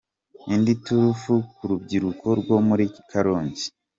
Indi turufu ku rubyiruko rwo muri Karongi